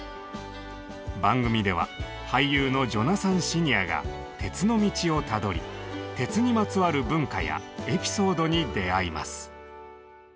番組では俳優のジョナサン・シニアが「鉄の道」をたどり鉄にまつわる文化やエピソードに出会います。